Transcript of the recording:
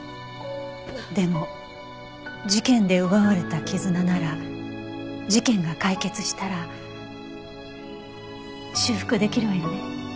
でも事件で奪われた絆なら事件が解決したら修復できるわよね？